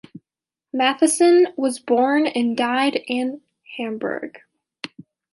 Mattheson was born and died in Hamburg.